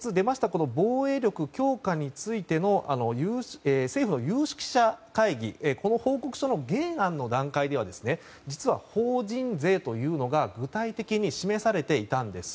この防衛力強化についての政府の有識者会議この報告書の原案の段階では実は、法人税というのが具体的に示されていたんです。